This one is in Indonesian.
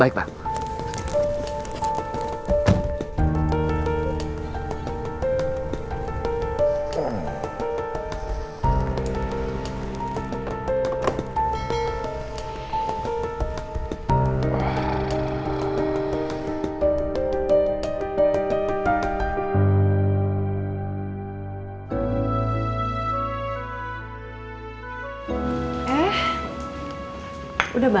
anyways jangan suruh aja